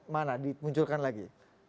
mana dimunculkan lagi